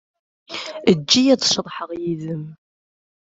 Eǧǧ-iyi ad ceḍḥeɣ yid-m.